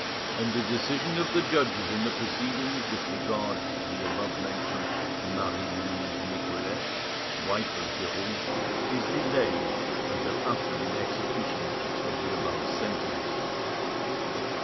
And the decision of the judges in the proceedings with regard to the above mentioned Marie Louise Nicolais, wife of Derues, is delayed until after the execution of the above sentence.